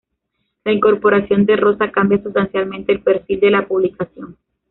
La incorporación de Rosa cambia sustancialmente el perfil de la publicación.